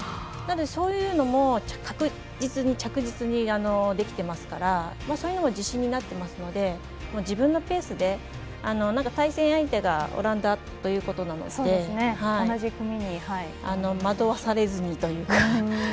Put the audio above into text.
なのでそういうのも確実に着実にできてますから、そういうのも自信になってますので自分のペースで対戦相手がオランダということなので惑わされずにというか。